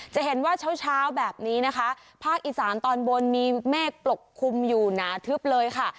จะเห็นว่าเช้าเช้าแบบนี้นะคะภาคอีสานตอนบนมีเมฆปกคลุมอยู่หนาทึบเลยค่ะ